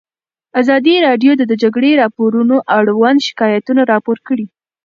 ازادي راډیو د د جګړې راپورونه اړوند شکایتونه راپور کړي.